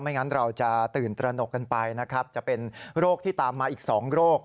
งั้นเราจะตื่นตระหนกกันไปนะครับจะเป็นโรคที่ตามมาอีก๒โรค